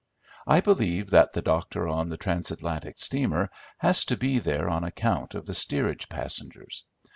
I believe that the doctor on the Transatlantic steamer has to be there on account of the steerage passengers.